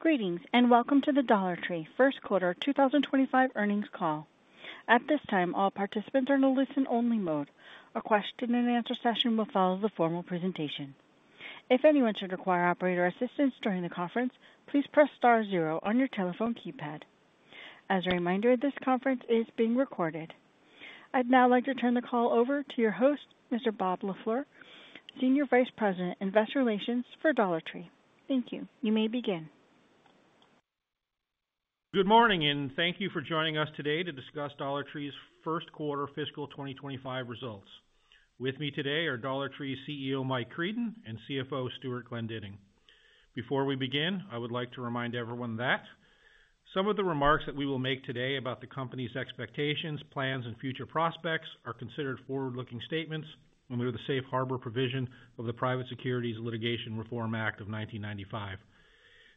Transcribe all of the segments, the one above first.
Greetings and welcome to the Dollar Tree First Quarter 2025 Earnings Call. At this time, all participants are in a listen-only mode. A question-and-answer session will follow the formal presentation. If anyone should require operator assistance during the conference, please press star zero on your telephone keypad. As a reminder, this conference is being recorded. I'd now like to turn the call over to your host, Mr. Bob LaFleur, Senior Vice President, Investor Relations for Dollar Tree. Thank you. You may begin. Good morning and thank you for joining us today to discuss Dollar Tree's First Quarter Fiscal 2025 Results. With me today are Dollar Tree CEO Mike Creedon and CFO Stewart Glendinning. Before we begin, I would like to remind everyone that some of the remarks that we will make today about the company's expectations, plans, and future prospects are considered forward-looking statements under the safe harbor provision of the Private Securities Litigation Reform Act of 1995.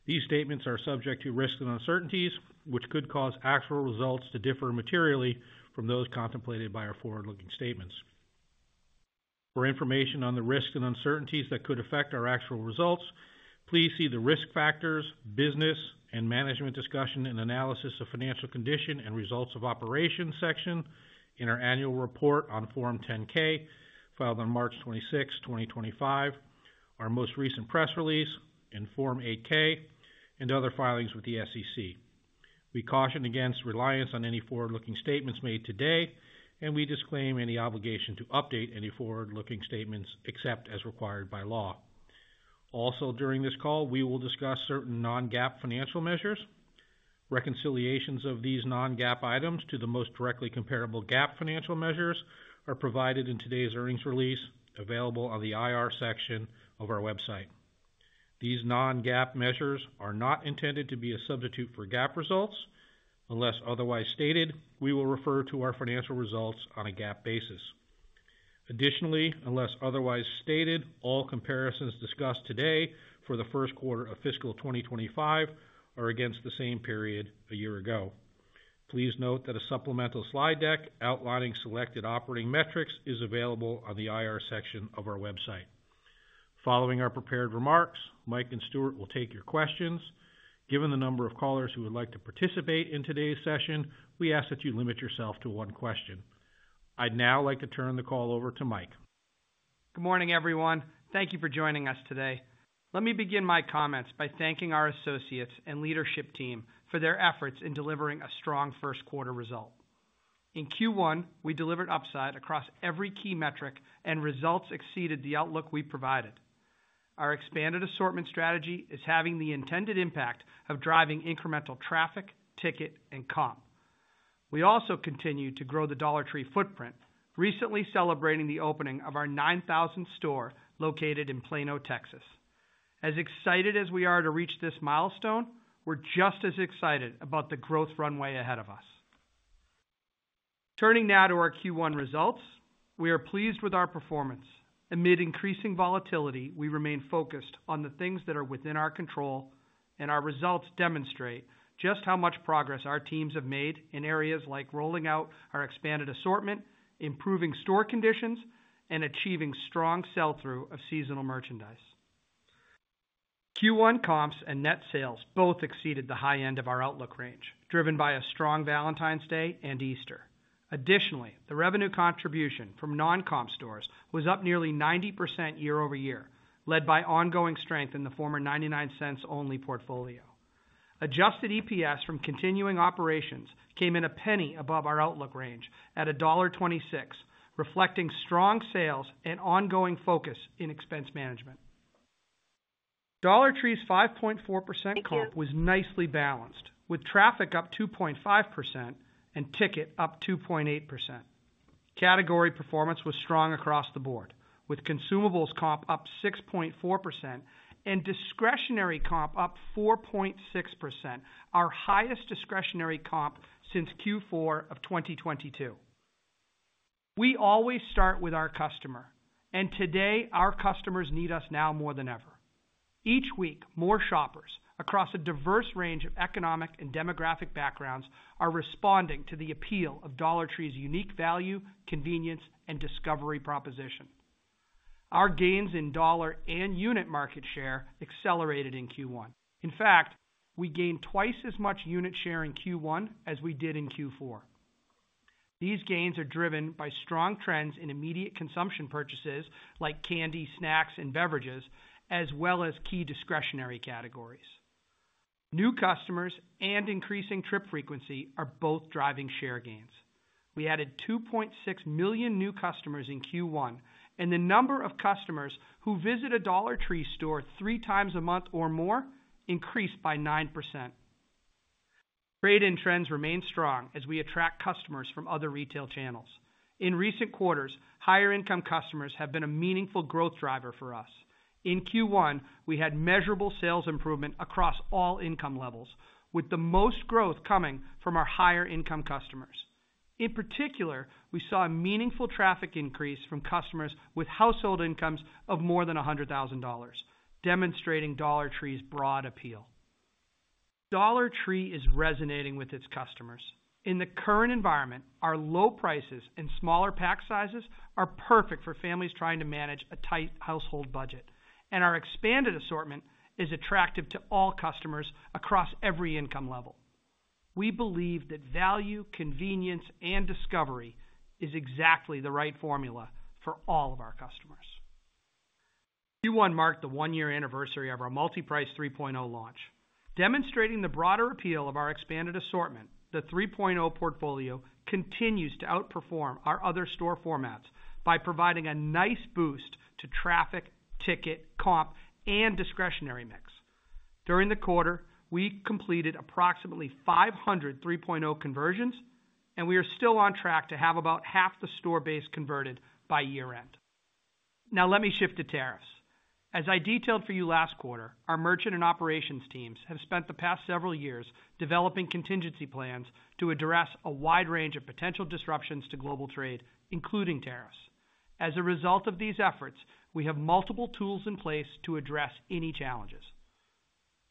These statements are subject to risks and uncertainties, which could cause actual results to differ materially from those contemplated by our forward-looking statements. For information on the risks and uncertainties that could affect our actual results, please see the risk factors, business, and management discussion and analysis of financial condition and results of operations section in our annual report on Form 10-K filed on March 26, 2025, our most recent press release in Form 8-K, and other filings with the SEC. We caution against reliance on any forward-looking statements made today, and we disclaim any obligation to update any forward-looking statements except as required by law. Also, during this call, we will discuss certain non-GAAP financial measures. Reconciliations of these non-GAAP items to the most directly comparable GAAP financial measures are provided in today's earnings release, available on the IR section of our website. These non-GAAP measures are not intended to be a substitute for GAAP results. Unless otherwise stated, we will refer to our financial results on a GAAP basis. Additionally, unless otherwise stated, all comparisons discussed today for the first quarter of fiscal 2025 are against the same period a year ago. Please note that a supplemental slide deck outlining selected operating metrics is available on the IR section of our website. Following our prepared remarks, Mike and Stewart will take your questions. Given the number of callers who would like to participate in today's session, we ask that you limit yourself to one question. I'd now like to turn the call over to Mike. Good morning, everyone. Thank you for joining us today. Let me begin my comments by thanking our associates and leadership team for their efforts in delivering a strong first quarter result. In Q1, we delivered upside across every key metric, and results exceeded the outlook we provided. Our expanded assortment strategy is having the intended impact of driving incremental traffic, ticket, and comp. We also continue to grow the Dollar Tree footprint, recently celebrating the opening of our 9,000th store located in Plano, Texas. As excited as we are to reach this milestone, we're just as excited about the growth runway ahead of us. Turning now to our Q1 results, we are pleased with our performance. Amid increasing volatility, we remain focused on the things that are within our control, and our results demonstrate just how much progress our teams have made in areas like rolling out our expanded assortment, improving store conditions, and achieving strong sell-through of seasonal merchandise. Q1 comps and net sales both exceeded the high end of our outlook range, driven by a strong Valentine's Day and Easter. Additionally, the revenue contribution from non-comp stores was up nearly 90% year-over-year, led by ongoing strength in the former 99 Cents Only portfolio. Adjusted EPS from continuing operations came in a penny above our outlook range at $1.26, reflecting strong sales and ongoing focus in expense management. Dollar Tree's 5.4% comp was nicely balanced, with traffic up 2.5% and ticket up 2.8%. Category performance was strong across the board, with consumables comp up 6.4% and discretionary comp up 4.6%, our highest discretionary comp since Q4 of 2022. We always start with our customer, and today our customers need us now more than ever. Each week, more shoppers across a diverse range of economic and demographic backgrounds are responding to the appeal of Dollar Tree's unique value, convenience, and discovery proposition. Our gains in dollar and unit market share accelerated in Q1. In fact, we gained twice as much unit share in Q1 as we did in Q4. These gains are driven by strong trends in immediate consumption purchases like candy, snacks, and beverages, as well as key discretionary categories. New customers and increasing trip frequency are both driving share gains. We added 2.6 million new customers in Q1, and the number of customers who visit a Dollar Tree store 3x a month or more increased by 9%. Trade-in trends remain strong as we attract customers from other retail channels. In recent quarters, higher-income customers have been a meaningful growth driver for us. In Q1, we had measurable sales improvement across all income levels, with the most growth coming from our higher-income customers. In particular, we saw a meaningful traffic increase from customers with household incomes of more than $100,000, demonstrating Dollar Tree's broad appeal. Dollar Tree is resonating with its customers. In the current environment, our low prices and smaller pack sizes are perfect for families trying to manage a tight household budget, and our expanded assortment is attractive to all customers across every income level. We believe that value, convenience, and discovery is exactly the right formula for all of our customers. Q1 marked the one-year anniversary of our MultiPrice 3.0 launch. Demonstrating the broader appeal of our expanded assortment, the 3.0 portfolio continues to outperform our other store formats by providing a nice boost to traffic, ticket, comp, and discretionary mix. During the quarter, we completed approximately 500 3.0 conversions, and we are still on track to have about half the store base converted by year-end. Now, let me shift to tariffs. As I detailed for you last quarter, our merchant and operations teams have spent the past several years developing contingency plans to address a wide range of potential disruptions to global trade, including tariffs. As a result of these efforts, we have multiple tools in place to address any challenges.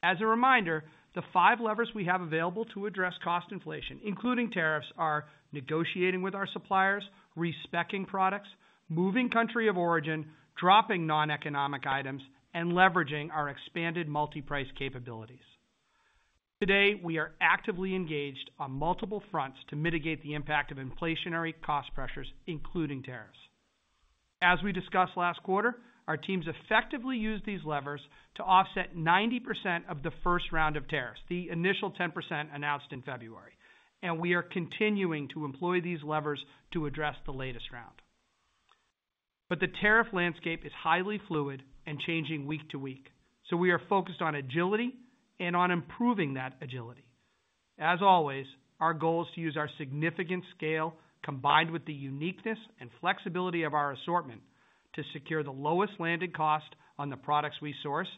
As a reminder, the five levers we have available to address cost inflation, including tariffs, are negotiating with our suppliers, re-speccing products, moving country of origin, dropping non-economic items, and leveraging our expanded MultiPrice capabilities. Today, we are actively engaged on multiple fronts to mitigate the impact of inflationary cost pressures, including tariffs. As we discussed last quarter, our teams effectively used these levers to offset 90% of the first round of tariffs, the initial 10% announced in February, and we are continuing to employ these levers to address the latest round. The tariff landscape is highly fluid and changing week to week, so we are focused on agility and on improving that agility. As always, our goal is to use our significant scale, combined with the uniqueness and flexibility of our assortment, to secure the lowest landed cost on the products we source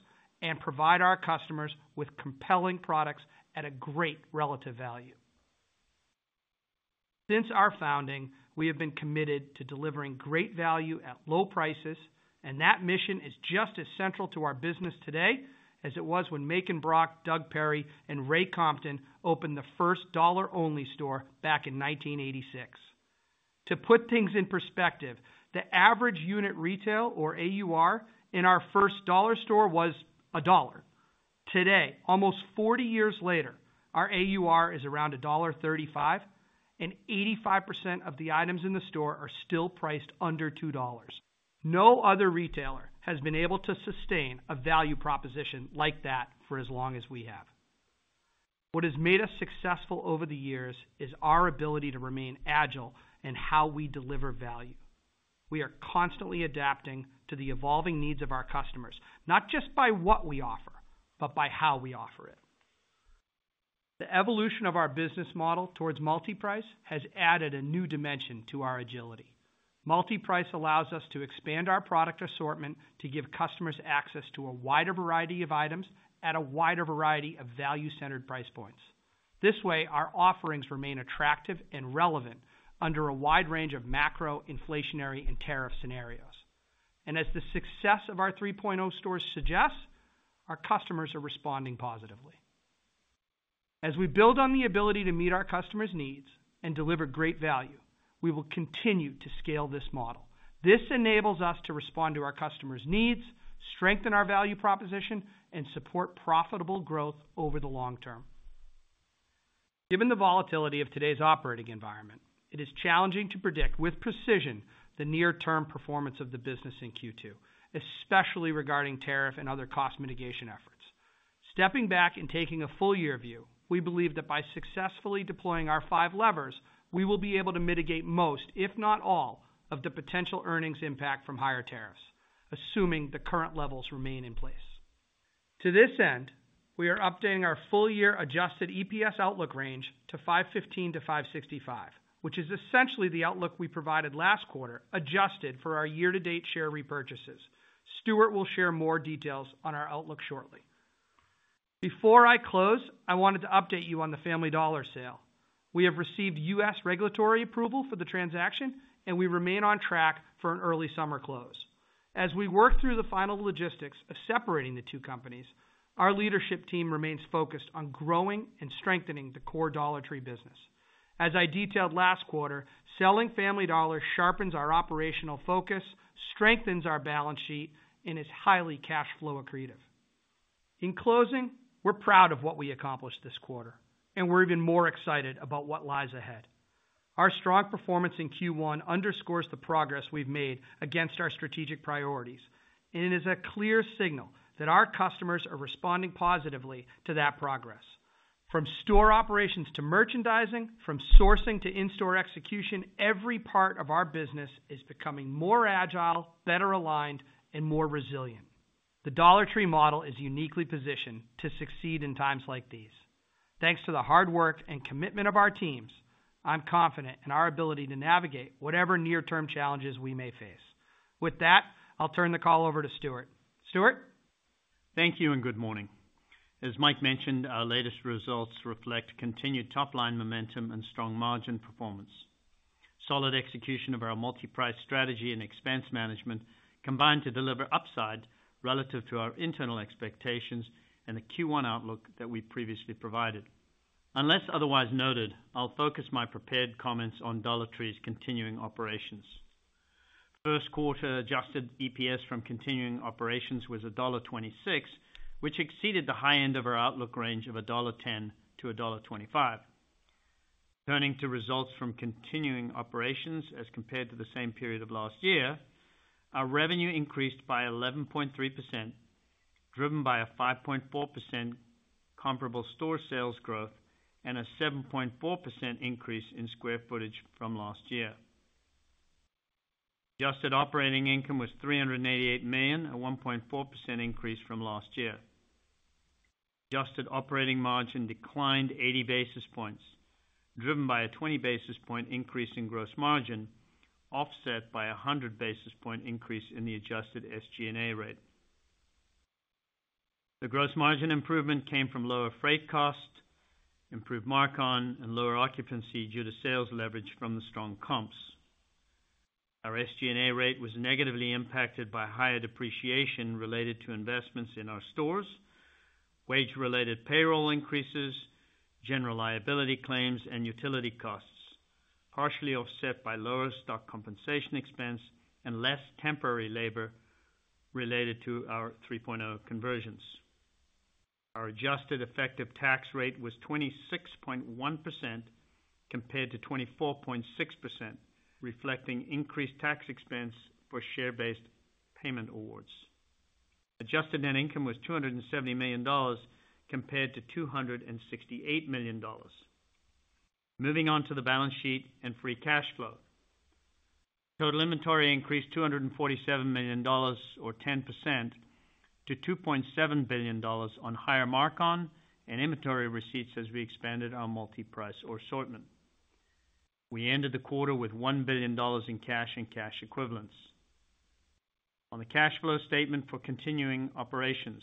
and provide our customers with compelling products at a great relative value. Since our founding, we have been committed to delivering great value at low prices, and that mission is just as central to our business today as it was when Macon Brock, Doug Perry, and Ray Compton opened the first dollar-only store back in 1986. To put things in perspective, the average unit retail, or AUR, in our first dollar store was $1. Today, almost 40 years later, our AUR is around $1.35, and 85% of the items in the store are still priced under $2. No other retailer has been able to sustain a value proposition like that for as long as we have. What has made us successful over the years is our ability to remain agile in how we deliver value. We are constantly adapting to the evolving needs of our customers, not just by what we offer, but by how we offer it. The evolution of our business model towards MultiPrice has added a new dimension to our agility. MultiPrice allows us to expand our product assortment to give customers access to a wider variety of items at a wider variety of value-centered price points. This way, our offerings remain attractive and relevant under a wide range of macro, inflationary, and tariff scenarios. As the success of our 3.0 stores suggests, our customers are responding positively. As we build on the ability to meet our customers' needs and deliver great value, we will continue to scale this model. This enables us to respond to our customers' needs, strengthen our value proposition, and support profitable growth over the long term. Given the volatility of today's operating environment, it is challenging to predict with precision the near-term performance of the business in Q2, especially regarding tariff and other cost mitigation efforts. Stepping back and taking a full year view, we believe that by successfully deploying our five levers, we will be able to mitigate most, if not all, of the potential earnings impact from higher tariffs, assuming the current levels remain in place. To this end, we are updating our full-year adjusted EPS outlook range to $5.15-$5.65, which is essentially the outlook we provided last quarter, adjusted for our year-to-date share repurchases. Stewart will share more details on our outlook shortly. Before I close, I wanted to update you on the Family Dollar sale. We have received U.S. regulatory approval for the transaction, and we remain on track for an early summer close. As we work through the final logistics of separating the two companies, our leadership team remains focused on growing and strengthening the core Dollar Tree business. As I detailed last quarter, selling Family Dollar sharpens our operational focus, strengthens our balance sheet, and is highly cash flow accretive. In closing, we're proud of what we accomplished this quarter, and we're even more excited about what lies ahead. Our strong performance in Q1 underscores the progress we've made against our strategic priorities, and it is a clear signal that our customers are responding positively to that progress. From store operations to merchandising, from sourcing to in-store execution, every part of our business is becoming more agile, better aligned, and more resilient. The Dollar Tree model is uniquely positioned to succeed in times like these. Thanks to the hard work and commitment of our teams, I'm confident in our ability to navigate whatever near-term challenges we may face. With that, I'll turn the call over to Stewart. Stewart? Thank you and good morning. As Mike mentioned, our latest results reflect continued top-line momentum and strong margin performance. Solid execution of our MultiPrice strategy and expense management combined to deliver upside relative to our internal expectations and the Q1 outlook that we previously provided. Unless otherwise noted, I'll focus my prepared comments on Dollar Tree's continuing operations. First quarter adjusted EPS from continuing operations was $1.26, which exceeded the high end of our outlook range of $1.10-$1.25. Turning to results from continuing operations as compared to the same period of last year, our revenue increased by 11.3%, driven by a 5.4% comparable store sales growth and a 7.4% increase in square footage from last year. Adjusted operating income was $388 million, a 1.4% increase from last year. Adjusted operating margin declined 80 basis points, driven by a 20 basis point increase in gross margin, offset by a 100 basis point increase in the adjusted SG&A rate. The gross margin improvement came from lower freight costs, improved mark-on, and lower occupancy due to sales leverage from the strong comps. Our SG&A rate was negatively impacted by higher depreciation related to investments in our stores, wage-related payroll increases, general liability claims, and utility costs, partially offset by lower stock compensation expense and less temporary labor related to our 3.0 conversions. Our adjusted effective tax rate was 26.1% compared to 24.6%, reflecting increased tax expense for share-based payment awards. Adjusted net income was $270 million compared to $268 million. Moving on to the balance sheet and free cash flow. Total inventory increased $247 million, or 10%, to $2.7 billion on higher mark-on and inventory receipts as we expanded our MultiPrice or assortment. We ended the quarter with $1 billion in cash and cash equivalents. On the cash flow statement for continuing operations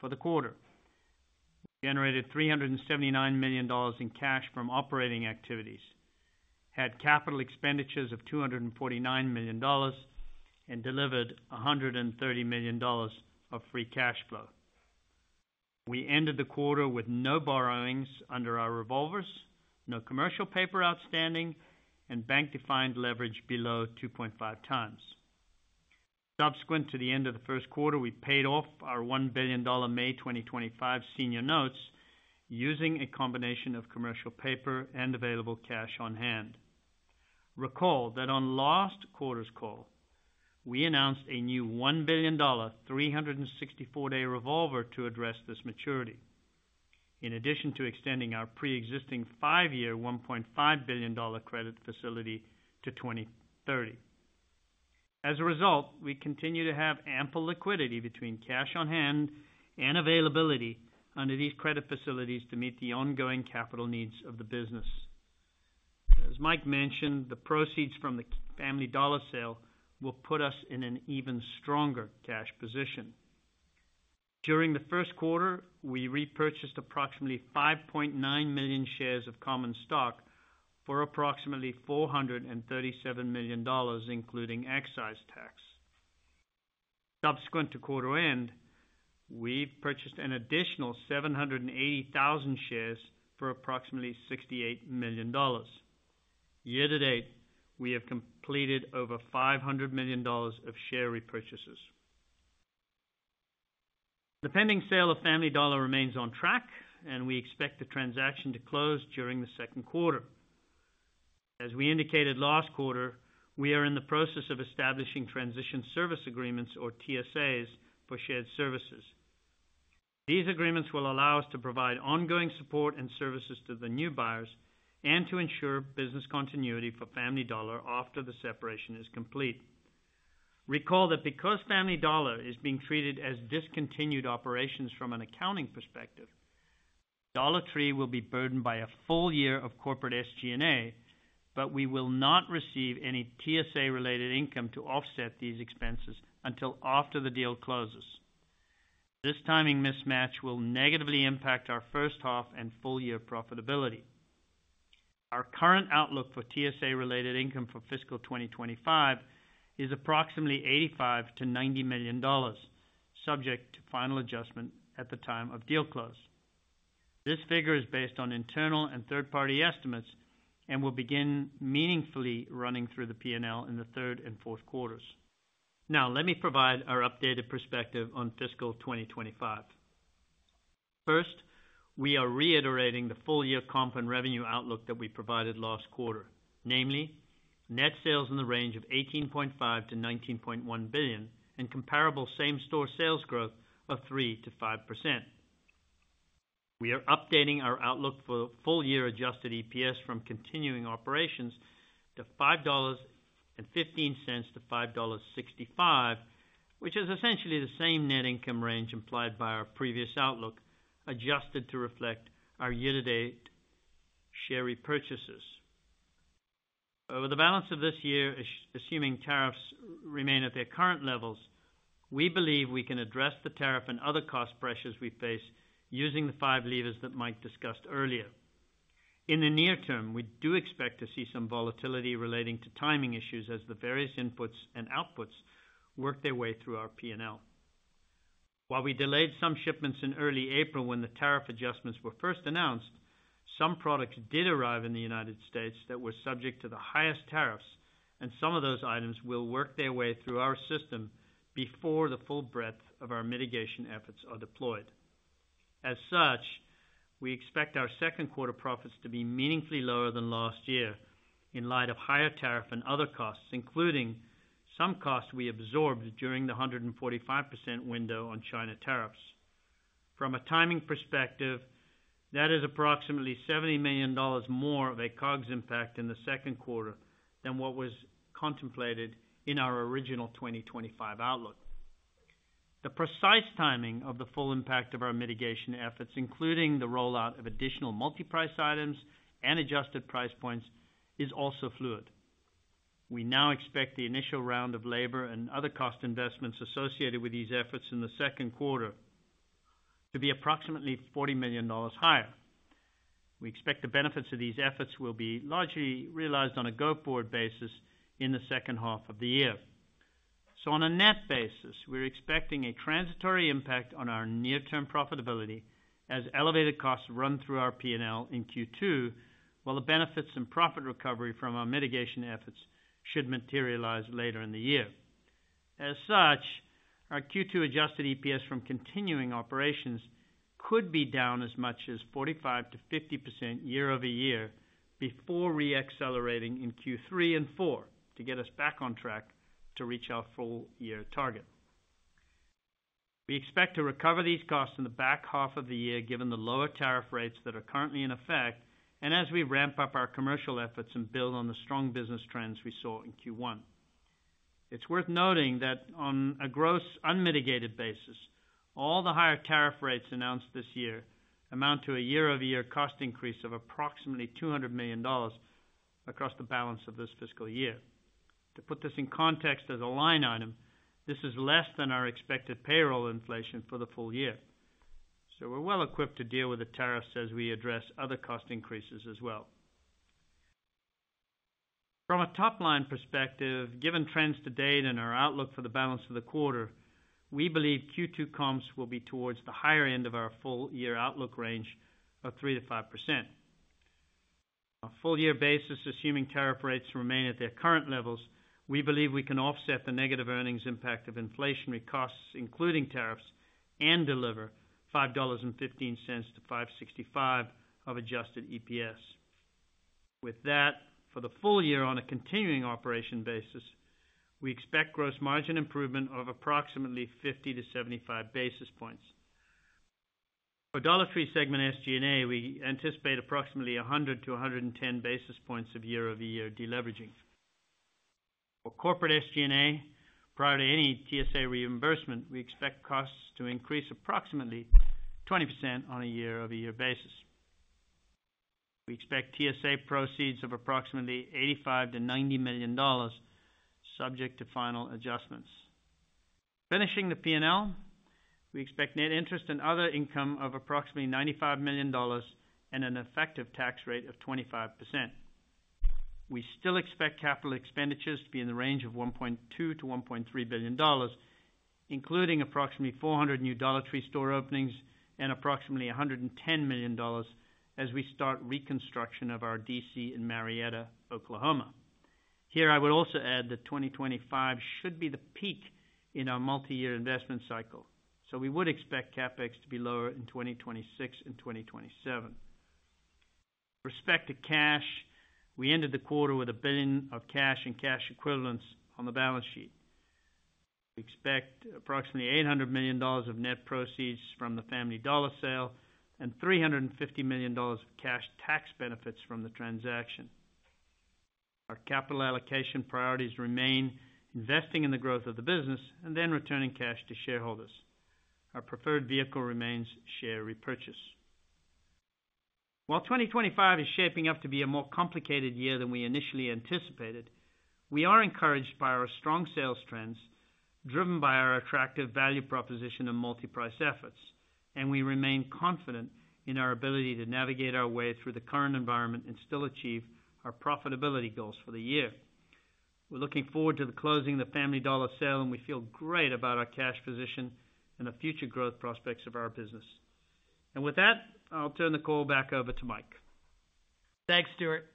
for the quarter, we generated $379 million in cash from operating activities, had capital expenditures of $249 million, and delivered $130 million of free cash flow. We ended the quarter with no borrowings under our revolvers, no commercial paper outstanding, and bank-defined leverage below 2.5 times. Subsequent to the end of the first quarter, we paid off our $1 billion May 2025 senior notes using a combination of commercial paper and available cash on hand. Recall that on last quarter's call, we announced a new $1 billion 364-day revolver to address this maturity, in addition to extending our pre-existing five-year $1.5 billion credit facility to 2030. As a result, we continue to have ample liquidity between cash on hand and availability under these credit facilities to meet the ongoing capital needs of the business. As Mike mentioned, the proceeds from the Family Dollar sale will put us in an even stronger cash position. During the first quarter, we repurchased approximately 5.9 million shares of common stock for approximately $437 million, including excise tax. Subsequent to quarter end, we've purchased an additional 780,000 shares for approximately $68 million. Year to date, we have completed over $500 million of share repurchases. The pending sale of Family Dollar remains on track, and we expect the transaction to close during the second quarter. As we indicated last quarter, we are in the process of establishing transition service agreements, or TSAs, for shared services. These agreements will allow us to provide ongoing support and services to the new buyers and to ensure business continuity for Family Dollar after the separation is complete. Recall that because Family Dollar is being treated as discontinued operations from an accounting perspective, Dollar Tree will be burdened by a full year of corporate SG&A, but we will not receive any TSA-related income to offset these expenses until after the deal closes. This timing mismatch will negatively impact our first half and full year profitability. Our current outlook for TSA-related income for fiscal 2025 is approximately $85-$90 million, subject to final adjustment at the time of deal close. This figure is based on internal and third-party estimates and will begin meaningfully running through the P&L in the third and fourth quarters. Now, let me provide our updated perspective on fiscal 2025. First, we are reiterating the full year comp and revenue outlook that we provided last quarter, namely net sales in the range of $18.5 billion-$19.1 billion and comparable same-store sales growth of 3%-5%. We are updating our outlook for full year adjusted EPS from continuing operations to $5.15-$5.65, which is essentially the same net income range implied by our previous outlook, adjusted to reflect our year-to-date share repurchases. Over the balance of this year, assuming tariffs remain at their current levels, we believe we can address the tariff and other cost pressures we face using the five levers that Mike discussed earlier. In the near term, we do expect to see some volatility relating to timing issues as the various inputs and outputs work their way through our P&L. While we delayed some shipments in early April when the tariff adjustments were first announced, some products did arrive in the United States that were subject to the highest tariffs, and some of those items will work their way through our system before the full breadth of our mitigation efforts are deployed. As such, we expect our second quarter profits to be meaningfully lower than last year in light of higher tariff and other costs, including some costs we absorbed during the 145% window on China tariffs. From a timing perspective, that is approximately $70 million more of a COGS impact in the second quarter than what was contemplated in our original 2025 outlook. The precise timing of the full impact of our mitigation efforts, including the rollout of additional MultiPrice items and adjusted price points, is also fluid. We now expect the initial round of labor and other cost investments associated with these efforts in the second quarter to be approximately $40 million higher. We expect the benefits of these efforts will be largely realized on a go forward basis in the second half of the year. On a net basis, we're expecting a transitory impact on our near-term profitability as elevated costs run through our P&L in Q2, while the benefits and profit recovery from our mitigation efforts should materialize later in the year. As such, our Q2 adjusted EPS from continuing operations could be down as much as 45-50% year over year before re-accelerating in Q3 and Q4 to get us back on track to reach our full year target. We expect to recover these costs in the back half of the year given the lower tariff rates that are currently in effect and as we ramp up our commercial efforts and build on the strong business trends we saw in Q1. It's worth noting that on a gross unmitigated basis, all the higher tariff rates announced this year amount to a year-over-year cost increase of approximately $200 million across the balance of this fiscal year. To put this in context as a line item, this is less than our expected payroll inflation for the full year. We are well equipped to deal with the tariffs as we address other cost increases as well. From a top-line perspective, given trends to date and our outlook for the balance of the quarter, we believe Q2 comps will be towards the higher end of our full year outlook range of 3%-5%. On a full year basis, assuming tariff rates remain at their current levels, we believe we can offset the negative earnings impact of inflationary costs, including tariffs, and deliver $5.15-$5.65 of adjusted EPS. With that, for the full year on a continuing operation basis, we expect gross margin improvement of approximately 50-75 basis points. For Dollar Tree segment SG&A, we anticipate approximately 100-110 basis points of year-over-year deleveraging. For corporate SG&A, prior to any TSA reimbursement, we expect costs to increase approximately 20% on a year-over-year basis. We expect TSA proceeds of approximately $85 million-$90 million, subject to final adjustments. Finishing the P&L, we expect net interest and other income of approximately $95 million and an effective tax rate of 25%. We still expect capital expenditures to be in the range of $1.2 billion-$1.3 billion, including approximately 400 new Dollar Tree store openings and approximately $110 million as we start reconstruction of our DC in Marietta, Oklahoma. Here, I would also add that 2025 should be the peak in our multi-year investment cycle, so we would expect CapEx to be lower in 2026 and 2027. With respect to cash, we ended the quarter with $1 billion of cash and cash equivalents on the balance sheet. We expect approximately $800 million of net proceeds from the Family Dollar sale and $350 million of cash tax benefits from the transaction. Our capital allocation priorities remain investing in the growth of the business and then returning cash to shareholders. Our preferred vehicle remains share repurchase. While 2025 is shaping up to be a more complicated year than we initially anticipated, we are encouraged by our strong sales trends driven by our attractive value proposition and MultiPrice efforts, and we remain confident in our ability to navigate our way through the current environment and still achieve our profitability goals for the year. We are looking forward to the closing of the Family Dollar sale, and we feel great about our cash position and the future growth prospects of our business. With that, I'll turn the call back over to Mike. Thanks, Stewart.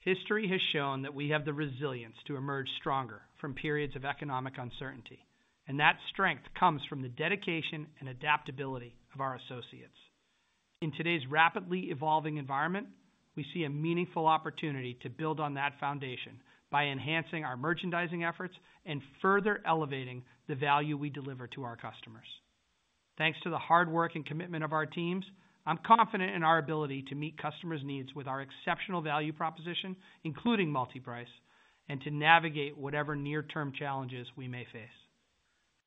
History has shown that we have the resilience to emerge stronger from periods of economic uncertainty, and that strength comes from the dedication and adaptability of our associates. In today's rapidly evolving environment, we see a meaningful opportunity to build on that foundation by enhancing our merchandising efforts and further elevating the value we deliver to our customers. Thanks to the hard work and commitment of our teams, I'm confident in our ability to meet customers' needs with our exceptional value proposition, including MultiPrice, and to navigate whatever near-term challenges we may face.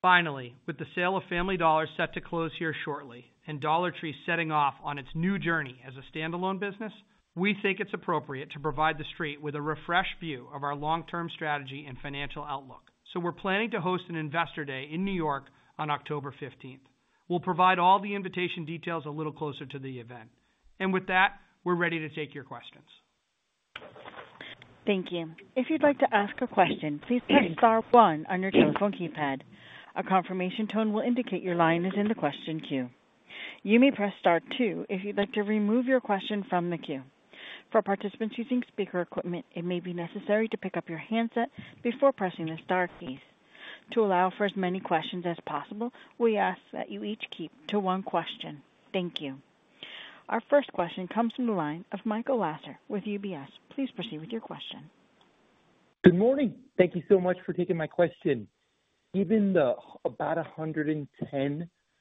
Finally, with the sale of Family Dollar set to close here shortly and Dollar Tree setting off on its new journey as a standalone business, we think it's appropriate to provide the street with a refreshed view of our long-term strategy and financial outlook. We are planning to host an investor day in New York on October 15th. We'll provide all the invitation details a little closer to the event. With that, we're ready to take your questions. Thank you. If you'd like to ask a question, please press star one on your telephone keypad. A confirmation tone will indicate your line is in the question queue. You may press Star 2 if you'd like to remove your question from the queue. For participants using speaker equipment, it may be necessary to pick up your handset before pressing the Star keys. To allow for as many questions as possible, we ask that you each keep to one question. Thank you. Our first question comes from the line of Michael Lasser with UBS. Please proceed with your question. Good morning. Thank you so much for taking my question. Given the about $110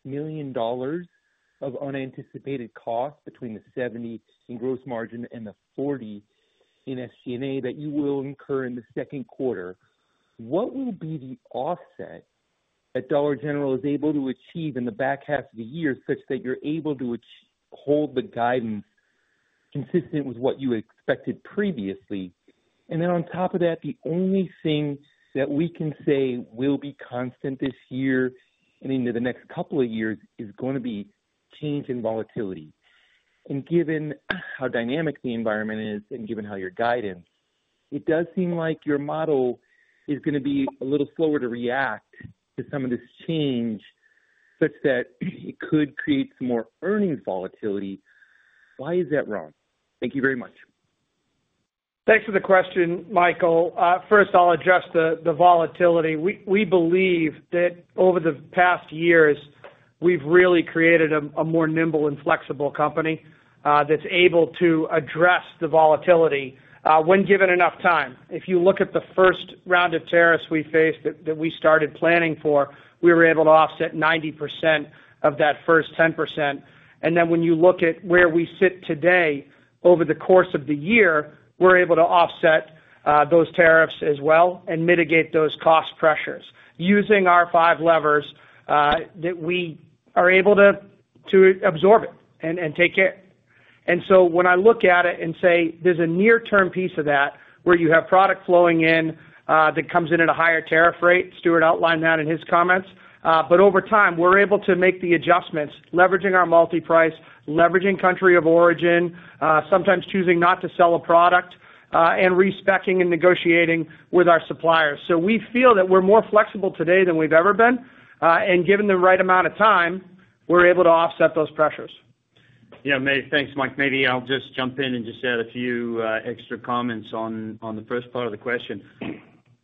million of unanticipated costs between the $70 million in gross margin and the $40 million in SG&A that you will incur in the second quarter, what will be the offset that Dollar Tree is able to achieve in the back half of the year such that you're able to hold the guidance consistent with what you expected previously? On top of that, the only thing that we can say will be constant this year and into the next couple of years is going to be change in volatility. Given how dynamic the environment is and given how your guidance, it does seem like your model is going to be a little slower to react to some of this change such that it could create some more earnings volatility. Why is that wrong? Thank you very much. Thanks for the question, Michael. First, I'll address the volatility. We believe that over the past years, we've really created a more nimble and flexible company that's able to address the volatility when given enough time. If you look at the first round of tariffs we faced that we started planning for, we were able to offset 90% of that first 10%. If you look at where we sit today over the course of the year, we're able to offset those tariffs as well and mitigate those cost pressures using our five levers that we are able to absorb it and take care. When I look at it and say there's a near-term piece of that where you have product flowing in that comes in at a higher tariff rate, Stewart outlined that in his comments, but over time, we're able to make the adjustments, leveraging our MultiPrice, leveraging country of origin, sometimes choosing not to sell a product, and respecting and negotiating with our suppliers. We feel that we're more flexible today than we've ever been. Given the right amount of time, we're able to offset those pressures. Yeah, thanks, Mike. Maybe I'll just jump in and just add a few extra comments on the first part of the question.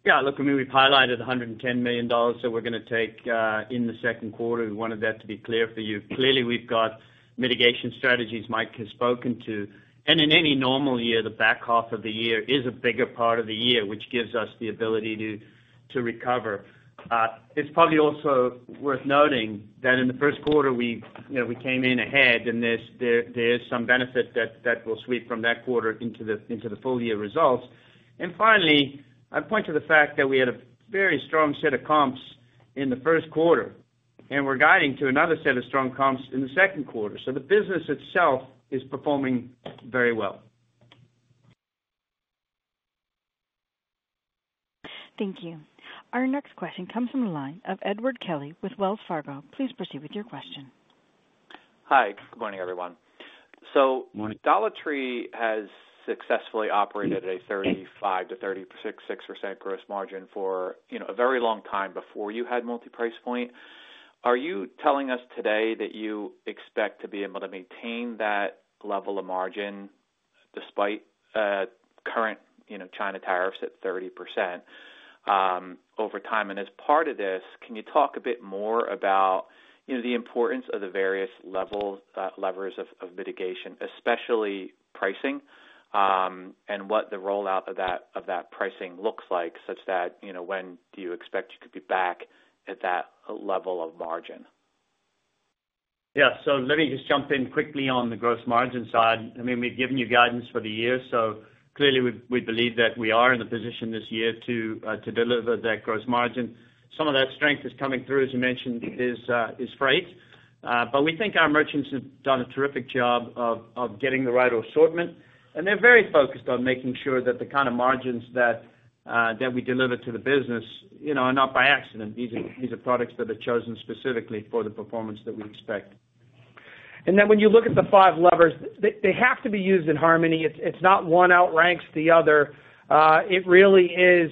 Yeah, look, I mean, we've highlighted $110 million that we're going to take in the second quarter. We wanted that to be clear for you. Clearly, we've got mitigation strategies Mike has spoken to. In any normal year, the back half of the year is a bigger part of the year, which gives us the ability to recover. It is probably also worth noting that in the first quarter, we came in ahead, and there is some benefit that will sweep from that quarter into the full year results. Finally, I point to the fact that we had a very strong set of comps in the first quarter, and we are guiding to another set of strong comps in the second quarter. The business itself is performing very well. Thank you. Our next question comes from the line of Edward Kelly with Wells Fargo. Please proceed with your question. Hi, good morning, everyone. Good morning. Dollar Tree has successfully operated at a 35%-36.6% gross margin for a very long time before you had MultiPrice Point. Are you telling us today that you expect to be able to maintain that level of margin despite current China tariffs at 30% over time? As part of this, can you talk a bit more about the importance of the various levers of mitigation, especially pricing, and what the rollout of that pricing looks like such that when do you expect you could be back at that level of margin? Yeah, let me just jump in quickly on the gross margin side. I mean, we've given you guidance for the year, so clearly, we believe that we are in a position this year to deliver that gross margin. Some of that strength is coming through, as you mentioned, is freight. We think our merchants have done a terrific job of getting the right assortment, and they're very focused on making sure that the kind of margins that we deliver to the business are not by accident. These are products that are chosen specifically for the performance that we expect. When you look at the five levers, they have to be used in harmony. It's not one outranks the other. It really is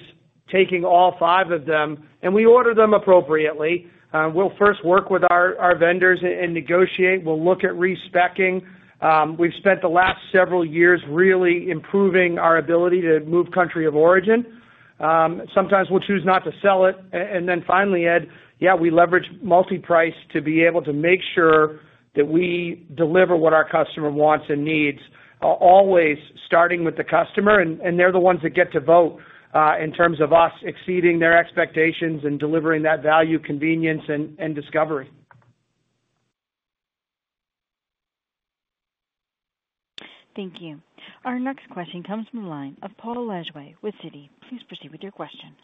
taking all five of them, and we order them appropriately. We'll first work with our vendors and negotiate. We'll look at respecting. We've spent the last several years really improving our ability to move country of origin. Sometimes we'll choose not to sell it. Finally, Ed, yeah, we leverage MultiPrice to be able to make sure that we deliver what our customer wants and needs, always starting with the customer, and they are the ones that get to vote in terms of us exceeding their expectations and delivering that value, convenience, and discovery. Thank you. Our next question comes from the line of Paul Lejuez with Citi. Please proceed with your question.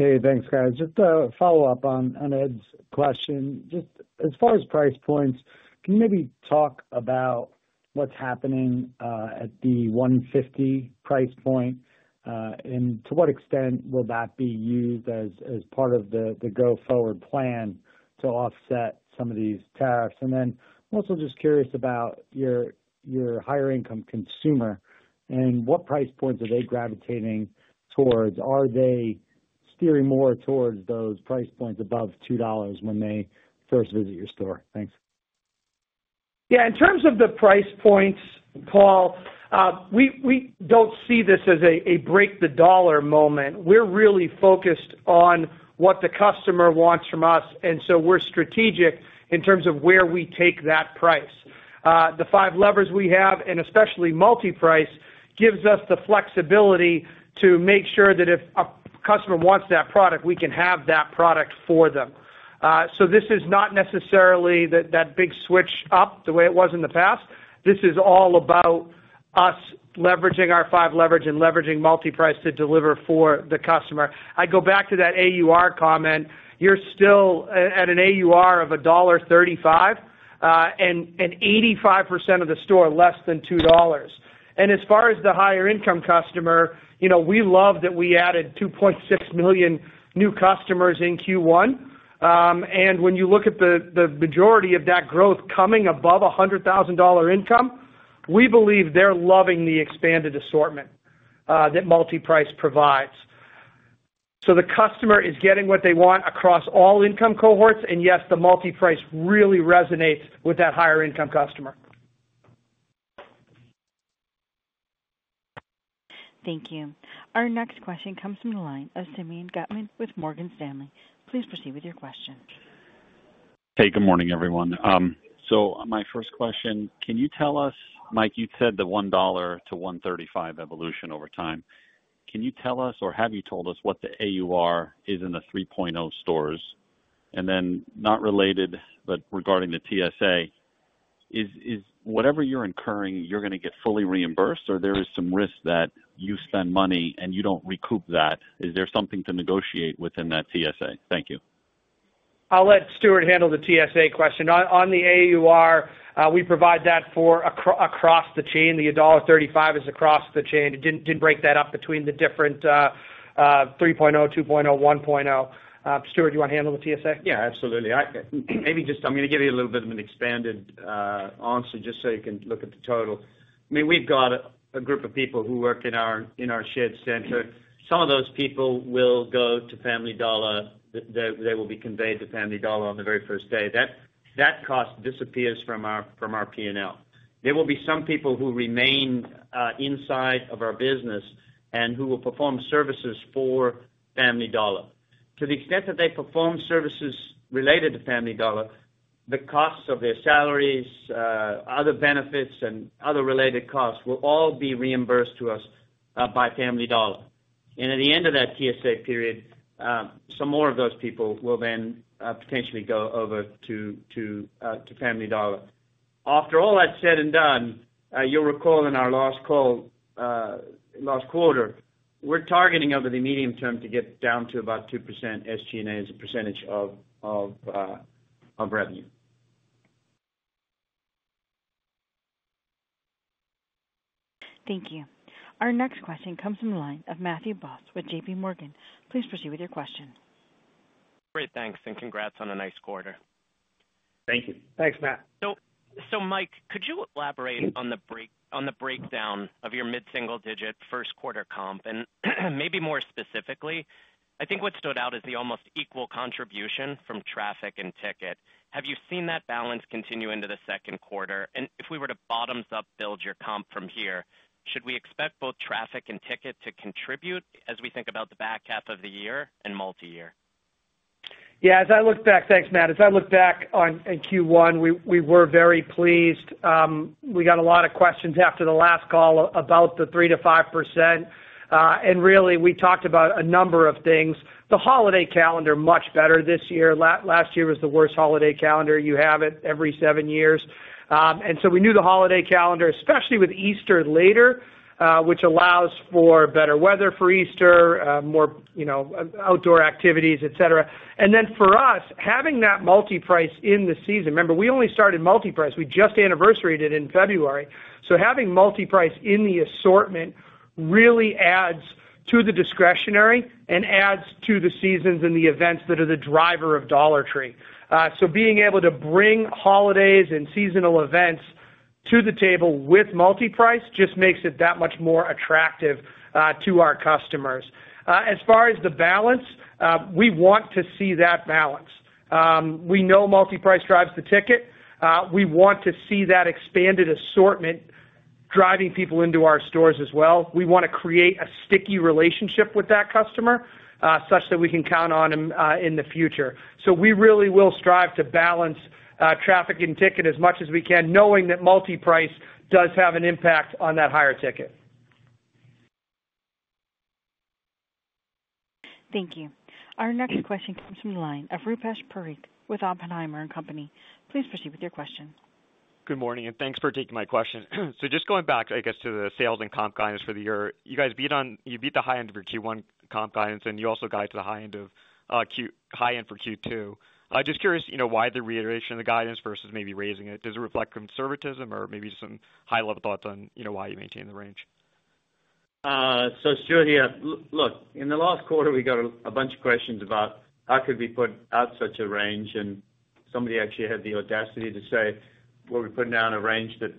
Hey, thanks, guys. Just a follow-up on Ed's question. Just as far as price points, can you maybe talk about what is happening at the $1.50 price point, and to what extent will that be used as part of the go-forward plan to offset some of these tariffs? Also, just curious about your higher-income consumer and what price points they are gravitating towards. Are they steering more towards those price points above $2 when they first visit your store? Thanks. Yeah, in terms of the price points, Paul, we do not see this as a break-the-dollar moment. We are really focused on what the customer wants from us, and we are strategic in terms of where we take that price. The five levers we have, and especially MultiPrice, gives us the flexibility to make sure that if a customer wants that product, we can have that product for them. This is not necessarily that big switch up the way it was in the past. This is all about us leveraging our five levers and leveraging MultiPrice to deliver for the customer. I go back to that AUR comment. You are still at an AUR of $1.35, and 85% of the store are less than $2. As far as the higher-income customer, we love that we added 2.6 million new customers in Q1. When you look at the majority of that growth coming above $100,000 income, we believe they're loving the expanded assortment that MultiPrice provides. The customer is getting what they want across all income cohorts, and yes, the MultiPrice really resonates with that higher-income customer. Thank you. Our next question comes from the line of Simeon Gutman with Morgan Stanley. Please proceed with your question. Hey, good morning, everyone. My first question, can you tell us, Mike, you said the $1-$1.35 evolution over time. Can you tell us, or have you told us, what the AUR is in the 3.0 stores? Not related, but regarding the TSA, is whatever you're incurring, you're going to get fully reimbursed, or is there some risk that you spend money and you don't recoup that? Is there something to negotiate within that TSA? Thank you. I'll let Stewart handle the TSA question. On the AUR, we provide that across the chain. The $1.35 is across the chain. It didn't break that up between the different 3.0, 2.0, 1.0. Stewart, do you want to handle the TSA? Yeah, absolutely. Maybe just I'm going to give you a little bit of an expanded answer just so you can look at the total. I mean, we've got a group of people who work in our shared center. Some of those people will go to Family Dollar. They will be conveyed to Family Dollar on the very first day. That cost disappears from our P&L. There will be some people who remain inside of our business and who will perform services for Family Dollar. To the extent that they perform services related to Family Dollar, the costs of their salaries, other benefits, and other related costs will all be reimbursed to us by Family Dollar. At the end of that TSA period, some more of those people will then potentially go over to Family Dollar. After all that's said and done, you'll recall in our last quarter, we're targeting over the medium term to get down to about 2% SG&A as a percentage of revenue. Thank you. Our next question comes from the line of Matthew Boss with JP Morgan. Please proceed with your question. Great, thanks. And congrats on a nice quarter. Thank you. Thanks, Matt. So, Mike, could you elaborate on the breakdown of your mid-single-digit first quarter comp? Maybe more specifically, I think what stood out is the almost equal contribution from traffic and ticket. Have you seen that balance continue into the second quarter? If we were to bottoms-up build your comp from here, should we expect both traffic and ticket to contribute as we think about the back half of the year and multi-year? Yeah, as I look back, thanks, Matt. As I look back on Q1, we were very pleased. We got a lot of questions after the last call about the 3%-5%. We talked about a number of things. The holiday calendar is much better this year. Last year was the worst holiday calendar. You have it every seven years. We knew the holiday calendar, especially with Easter later, allows for better weather for Easter, more outdoor activities, etc. For us, having that MultiPrice in the season, remember, we only started MultiPrice. We just anniversaried it in February. Having MultiPrice in the assortment really adds to the discretionary and adds to the seasons and the events that are the driver of Dollar Tree. Being able to bring holidays and seasonal events to the table with MultiPrice just makes it that much more attractive to our customers. As far as the balance, we want to see that balance. We know MultiPrice drives the ticket. We want to see that expanded assortment driving people into our stores as well. We want to create a sticky relationship with that customer such that we can count on them in the future. We really will strive to balance traffic and ticket as much as we can, knowing that MultiPrice does have an impact on that higher ticket. Thank you. Our next question comes from the line of Rupesh Parikh with Oppenheimer & Company. Please proceed with your question. Good morning, and thanks for taking my question. Just going back, I guess, to the sales and comp guidance for the year, you guys beat the high end of your Q1 comp guidance, and you also guide to the high end for Q2. Just curious why the reiteration of the guidance versus maybe raising it. Does it reflect conservatism or maybe some high-level thoughts on why you maintain the range? Stewart here, yeah, look, in the last quarter, we got a bunch of questions about how could we put out such a range, and somebody actually had the audacity to say, "Well, we're putting down a range that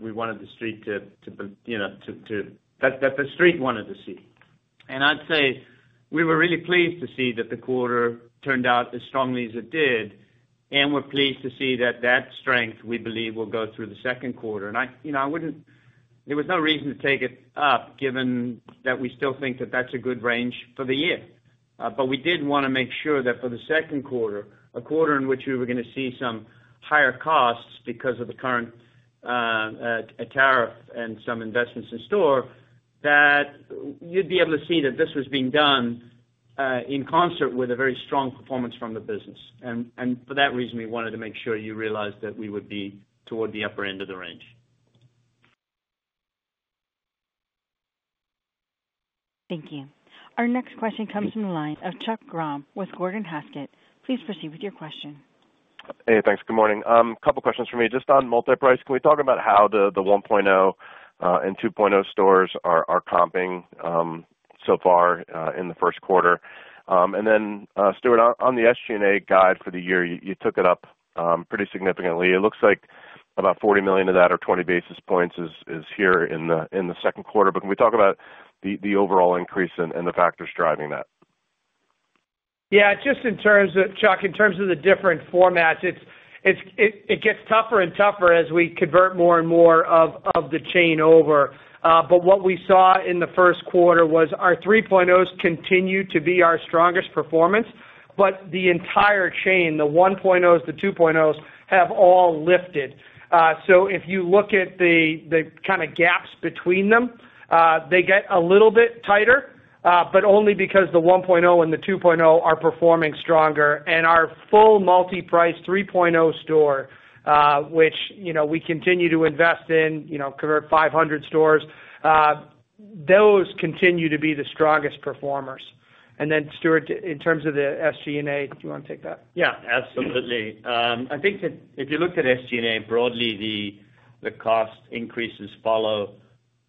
we wanted the street to—that the street wanted to see." I'd say we were really pleased to see that the quarter turned out as strongly as it did, and we're pleased to see that that strength, we believe, will go through the second quarter. There was no reason to take it up given that we still think that that's a good range for the year. We did want to make sure that for the second quarter, a quarter in which we were going to see some higher costs because of the current tariff and some investments in store, that you'd be able to see that this was being done in concert with a very strong performance from the business. For that reason, we wanted to make sure you realized that we would be toward the upper end of the range. Thank you. Our next question comes from the line of Chuck Graham with Gordon Haskett. Please proceed with your question. Hey, thanks. Good morning. A couple of questions for me. Just on MultiPrice, can we talk about how the 1.0 and 2.0 stores are comping so far in the first quarter? Then, Stewart, on the SG&A guide for the year, you took it up pretty significantly. It looks like about $40 million of that or 20 basis points is here in the second quarter. Can we talk about the overall increase and the factors driving that? Yeah, just in terms of, Chuck, in terms of the different formats, it gets tougher and tougher as we convert more and more of the chain over. What we saw in the first quarter was our 3.0s continue to be our strongest performance, but the entire chain, the 1.0s, the 2.0s, have all lifted. If you look at the kind of gaps between them, they get a little bit tighter, but only because the 1.0 and the 2.0 are performing stronger. Our full MultiPrice 3.0 store, which we continue to invest in, covered 500 stores, those continue to be the strongest performers. Stewart, in terms of the SG&A, do you want to take that? Yeah, absolutely. I think if you look at SG&A broadly, the cost increases follow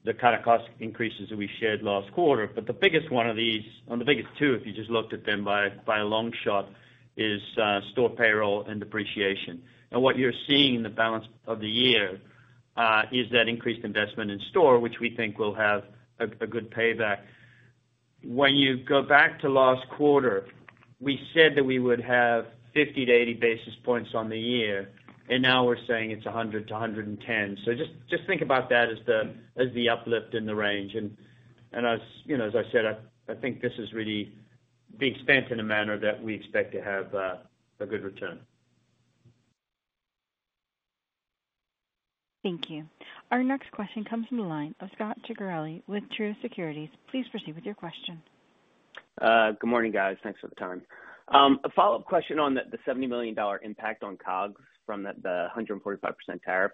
the kind of cost increases that we shared last quarter. The biggest one of these, or the biggest two, if you just looked at them by a long shot, is store payroll and depreciation. What you're seeing in the balance of the year is that increased investment in store, which we think will have a good payback. When you go back to last quarter, we said that we would have 50-80 basis points on the year, and now we're saying it's 100-110. Just think about that as the uplift in the range. As I said, I think this is really being spent in a manner that we expect to have a good return. Thank you. Our next question comes from the line of Scot Ciccarelli with Truist Securities. Please proceed with your question. Good morning, guys. Thanks for the time. A follow-up question on the $70 million impact on COGS from the 145% tariff.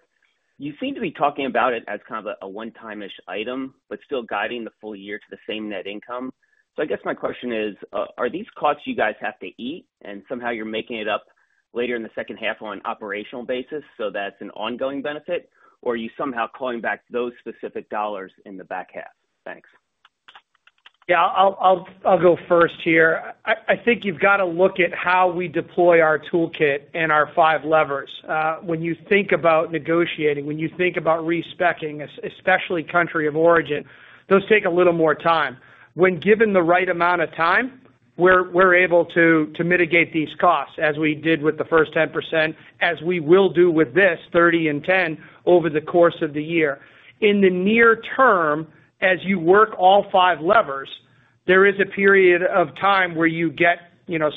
You seem to be talking about it as kind of a one-time-ish item, but still guiding the full year to the same net income. I guess my question is, are these costs you guys have to eat, and somehow you're making it up later in the second half on an operational basis so that's an ongoing benefit, or are you somehow calling back those specific dollars in the back half? Thanks. Yeah, I'll go first here. I think you've got to look at how we deploy our toolkit and our five levers. When you think about negotiating, when you think about re-speccing, especially country of origin, those take a little more time. When given the right amount of time, we're able to mitigate these costs as we did with the first 10%, as we will do with this 30 and 10 over the course of the year. In the near term, as you work all five levers, there is a period of time where you get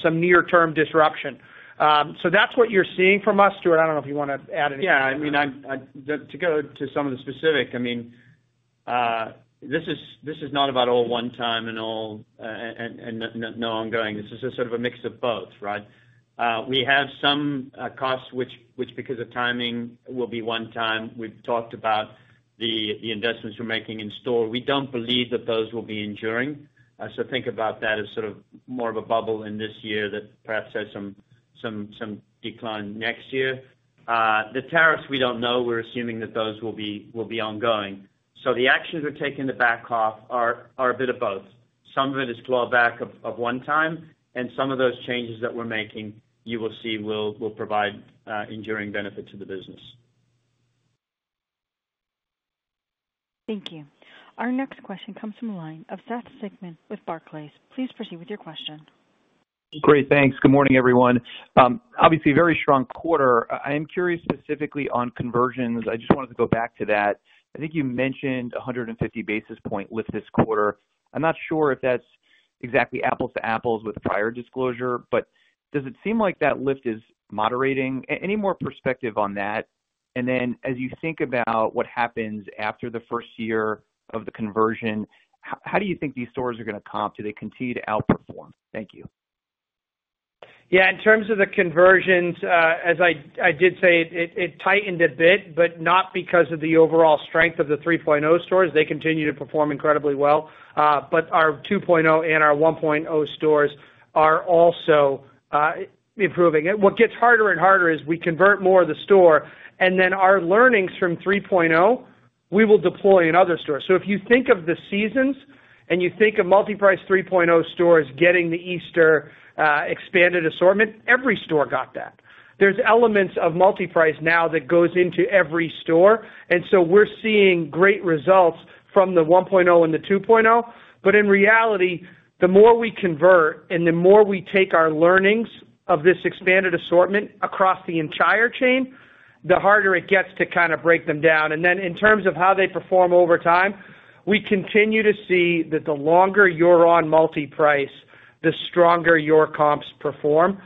some near-term disruption. That is what you're seeing from us, Stewart. I do not know if you want to add anything. Yeah, I mean, to go to some of the specific, I mean, this is not about all one time and no ongoing. This is sort of a mix of both, right? We have some costs which, because of timing, will be one time. We've talked about the investments we're making in store. We do not believe that those will be enduring. Think about that as sort of more of a bubble in this year that perhaps has some decline next year. The tariffs, we do not know. We are assuming that those will be ongoing. The actions we are taking to back off are a bit of both. Some of it is clawback of one time, and some of those changes that we are making, you will see will provide enduring benefit to the business. Thank you. Our next question comes from the line of Seth Sigman with Barclays. Please proceed with your question. Great, thanks. Good morning, everyone. Obviously, very strong quarter. I am curious specifically on conversions. I just wanted to go back to that. I think you mentioned 150 basis point lift this quarter. I am not sure if that is exactly apples to apples with prior disclosure, but does it seem like that lift is moderating? Any more perspective on that? As you think about what happens after the first year of the conversion, how do you think these stores are going to comp? Do they continue to outperform? Thank you. Yeah, in terms of the conversions, as I did say, it tightened a bit, but not because of the overall strength of the 3.0 stores. They continue to perform incredibly well. Our 2.0 and our 1.0 stores are also improving. What gets harder and harder is we convert more of the store, and then our learnings from 3.0, we will deploy in other stores. If you think of the seasons and you think of MultiPrice 3.0 stores getting the Easter expanded assortment, every store got that. There are elements of MultiPrice now that go into every store, and we are seeing great results from the 1.0 and the 2.0. In reality, the more we convert and the more we take our learnings of this expanded assortment across the entire chain, the harder it gets to kind of break them down. In terms of how they perform over time, we continue to see that the longer you're on MultiPrice, the stronger your comps perform.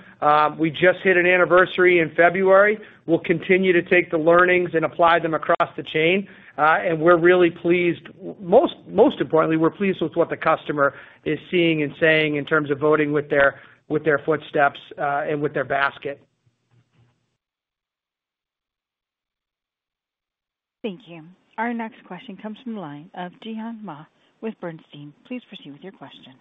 We just hit an anniversary in February. We'll continue to take the learnings and apply them across the chain, and we're really pleased. Most importantly, we're pleased with what the customer is seeing and saying in terms of voting with their footsteps and with their basket. Thank you. Our next question comes from the line of Zhihan Ma with Bernstein. Please proceed with your question.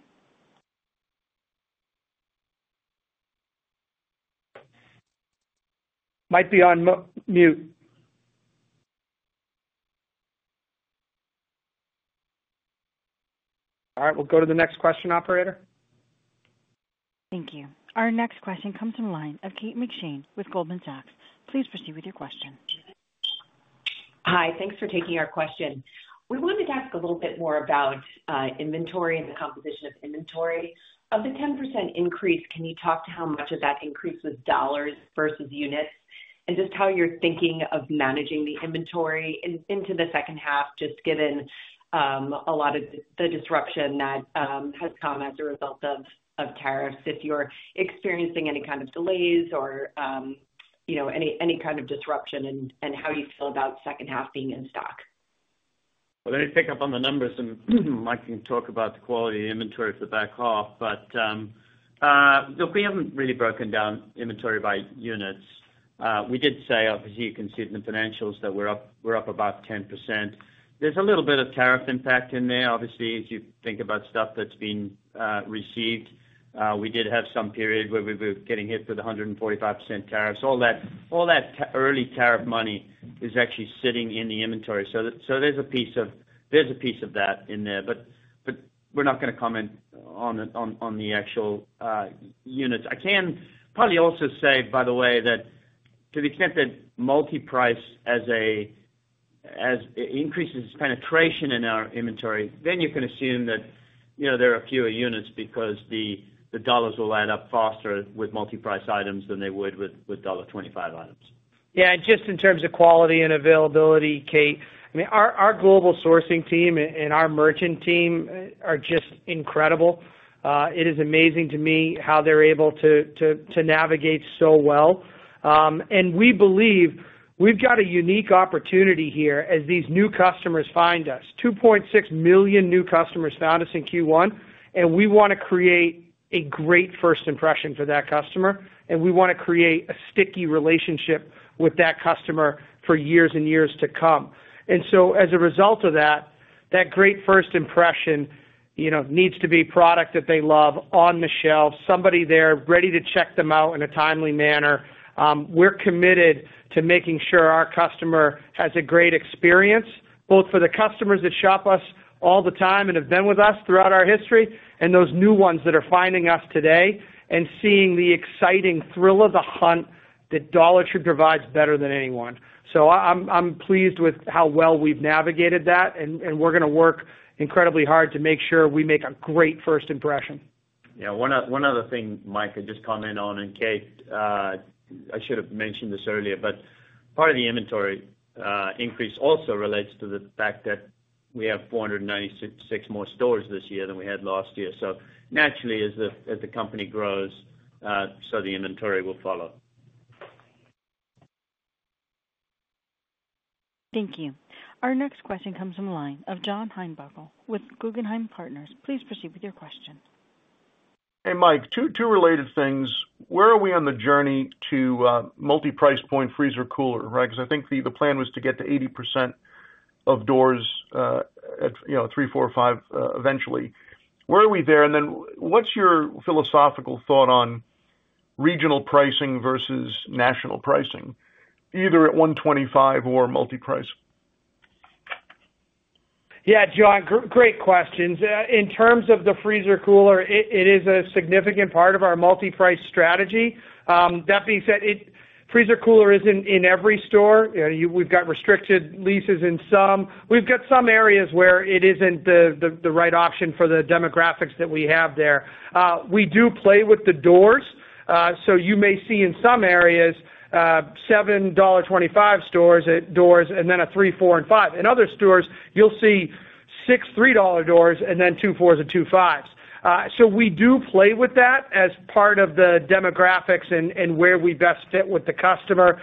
Might be on mute. All right, we'll go to the next question, operator. Thank you. Our next question comes from the line of Kate McShane with Goldman Sachs. Please proceed with your question. Hi, thanks for taking our question. We wanted to ask a little bit more about inventory and the composition of inventory. Of the 10% increase, can you talk to how much of that increase was dollars versus units? And just how you're thinking of managing the inventory into the second half, just given a lot of the disruption that has come as a result of tariffs. If you're experiencing any kind of delays or any kind of disruption, and how do you feel about second half being in stock? Let me pick up on the numbers, and Mike can talk about the quality of inventory for back off. Look, we haven't really broken down inventory by units. We did say, obviously, you can see it in the financials that we're up about 10%. There's a little bit of tariff impact in there, obviously, as you think about stuff that's been received. We did have some period where we were getting hit with 145% tariffs. All that early tariff money is actually sitting in the inventory. So there's a piece of that in there, but we're not going to comment on the actual units. I can probably also say, by the way, that to the extent that MultiPrice increases its penetration in our inventory, then you can assume that there are fewer units because the dollars will add up faster with MultiPrice items than they would with $1.25 items. Yeah, and just in terms of quality and availability, Kate, I mean, our global sourcing team and our merchant team are just incredible. It is amazing to me how they're able to navigate so well. We believe we have got a unique opportunity here as these new customers find us. 2.6 million new customers found us in Q1, and we want to create a great first impression for that customer, and we want to create a sticky relationship with that customer for years and years to come. As a result of that, that great first impression needs to be product that they love on the shelf, somebody there ready to check them out in a timely manner. We are committed to making sure our customer has a great experience, both for the customers that shop us all the time and have been with us throughout our history, and those new ones that are finding us today and seeing the exciting thrill of the hunt that Dollar Tree provides better than anyone. I'm pleased with how well we've navigated that, and we're going to work incredibly hard to make sure we make a great first impression. One other thing, Mike, I just comment on, and Kate, I should have mentioned this earlier, but part of the inventory increase also relates to the fact that we have 496 more stores this year than we had last year. Naturally, as the company grows, the inventory will follow. Thank you. Our next question comes from the line of John Heinbockel with Guggenheim Partners. Please proceed with your question. Hey, Mike, two related things. Where are we on the journey to MultiPrice Point Freezer Cooler, right? Because I think the plan was to get to 80% of doors at three, four, five eventually. Where are we there? What is your philosophical thought on regional pricing versus national pricing, either at $1.25 or MultiPrice? Yeah, John, great questions. In terms of the freezer cooler, it is a significant part of our MultiPrice strategy. That being said, freezer cooler is not in every store. We have restricted leases in some. We have some areas where it is not the right option for the demographics that we have there. We do play with the doors. You may see in some areas $1.25 stores at doors and then a three, four, and five. In other stores, you will see six $3 doors and then two fours and two fives. We do play with that as part of the demographics and where we best fit with the customer.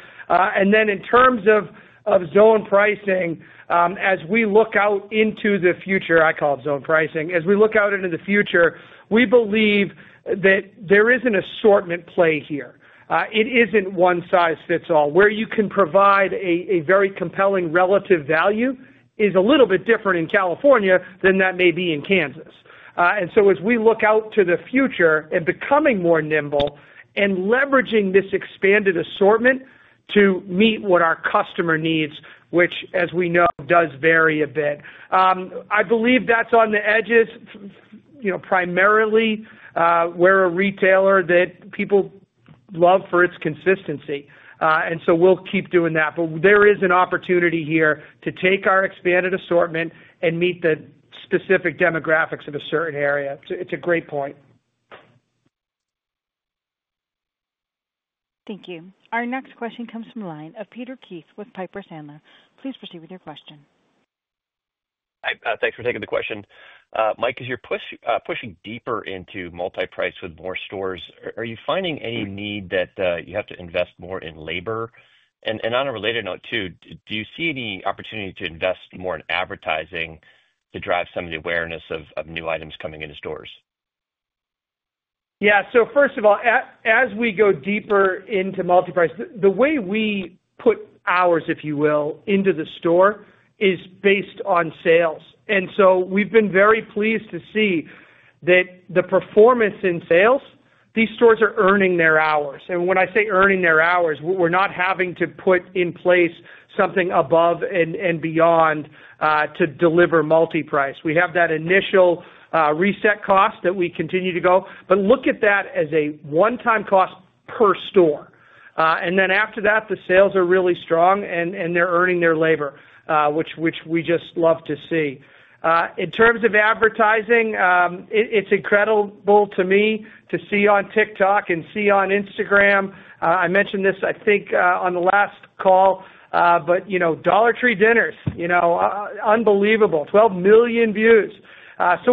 In terms of zone pricing, as we look out into the future, I call it zone pricing, as we look out into the future, we believe that there is an assortment play here. It is not one size fits all. Where you can provide a very compelling relative value is a little bit different in California than that may be in Kansas. As we look out to the future and become more nimble and leverage this expanded assortment to meet what our customer needs, which, as we know, does vary a bit. I believe that is on the edges. Primarily, we are a retailer that people love for its consistency. We will keep doing that. There is an opportunity here to take our expanded assortment and meet the specific demographics of a certain area. It is a great point. Thank you. Our next question comes from the line of Peter Keith with Piper Sandler. Please proceed with your question. Thanks for taking the question. Mike, as you're pushing deeper into MultiPrice with more stores, are you finding any need that you have to invest more in labor? On a related note too, do you see any opportunity to invest more in advertising to drive some of the awareness of new items coming into stores? Yeah, first of all, as we go deeper into MultiPrice, the way we put hours, if you will, into the store is based on sales. We have been very pleased to see that the performance in sales, these stores are earning their hours. When I say earning their hours, we're not having to put in place something above and beyond to deliver MultiPrice. We have that initial reset cost that we continue to go, but look at that as a one-time cost per store. After that, the sales are really strong, and they're earning their labor, which we just love to see. In terms of advertising, it's incredible to me to see on TikTok and see on Instagram. I mentioned this, I think, on the last call, but Dollar Tree dinners, unbelievable, 12 million views.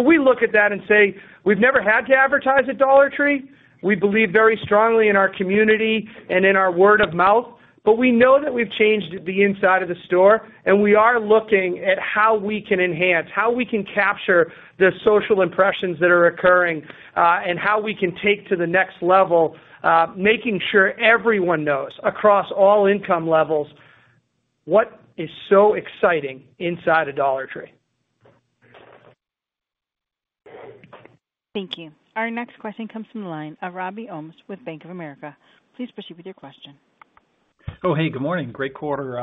We look at that and say, we've never had to advertise at Dollar Tree. We believe very strongly in our community and in our word of mouth, but we know that we've changed the inside of the store, and we are looking at how we can enhance, how we can capture the social impressions that are occurring, and how we can take to the next level, making sure everyone knows across all income levels what is so exciting inside of Dollar Tree. Thank you. Our next question comes from the line of Robbie Ohmes with Bank of America. Please proceed with your question. Oh, hey, good morning. Great quarter.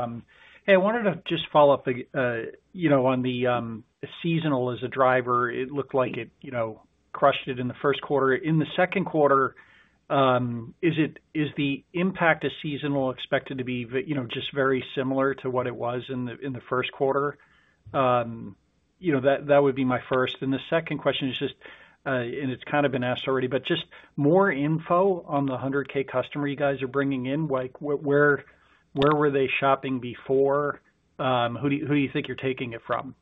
Hey, I wanted to just follow up on the seasonal as a driver. It looked like it crushed it in the first quarter. In the second quarter, is the impact of seasonal expected to be just very similar to what it was in the first quarter? That would be my first. The second question is just, and it has kind of been asked already, but just more info on the 100,000 customer you guys are bringing in. Where were they shopping before? Who do you think you are taking it from?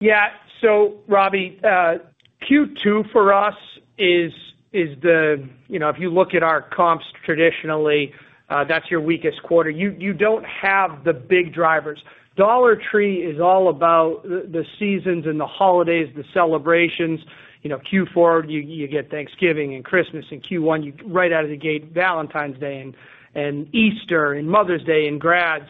Yeah, so Robbie, Q2 for us is the, if you look at our comps traditionally, that is your weakest quarter. You do not have the big drivers. Dollar Tree is all about the seasons and the holidays, the celebrations. Q4, you get Thanksgiving and Christmas. In Q1, right out of the gate, Valentine's Day and Easter and Mother's Day and grads.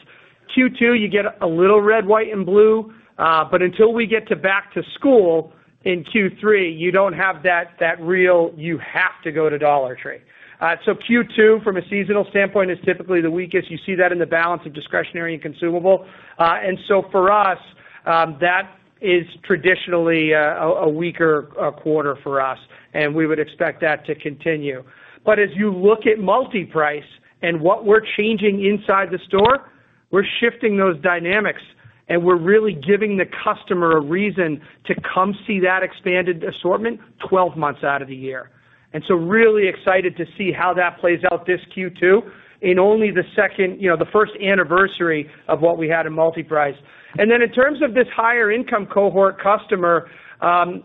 Q2, you get a little red, white, and blue. Until we get back to school in Q3, you do not have that real, you have to go to Dollar Tree. Q2, from a seasonal standpoint, is typically the weakest. You see that in the balance of discretionary and consumable. For us, that is traditionally a weaker quarter for us, and we would expect that to continue. As you look at MultiPrice and what we are changing inside the store, we are shifting those dynamics, and we are really giving the customer a reason to come see that expanded assortment 12 months out of the year. We are really excited to see how that plays out this Q2 in only the second, the first anniversary of what we had in MultiPrice. In terms of this higher income cohort customer,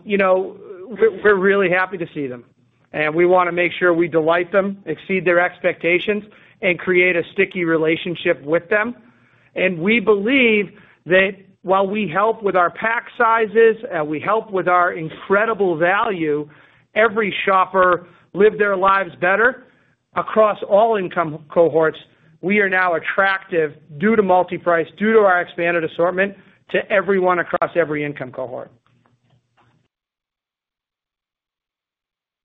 we are really happy to see them. We want to make sure we delight them, exceed their expectations, and create a sticky relationship with them. We believe that while we help with our pack sizes and we help with our incredible value, every shopper lived their lives better across all income cohorts. We are now attractive due to MultiPrice, due to our expanded assortment to everyone across every income cohort.